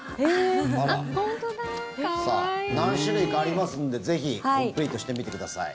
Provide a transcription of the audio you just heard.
何種類かありますんでぜひコンプリートしてみてください。